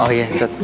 oh iya setan